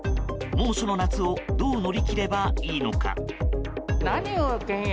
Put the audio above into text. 猛暑の夏をどう乗り切ればいいのか。